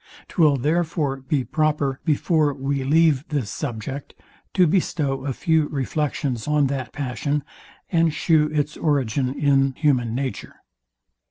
Twill therefore be proper, before we leave this subject, to bestow a few reflections on that passion, and shew its origin in human nature.